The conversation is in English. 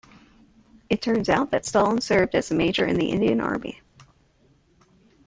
It turns out that Stalin served as a Major in the Indian Army.